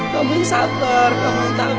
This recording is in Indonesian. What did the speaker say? bangun sabar bangun tante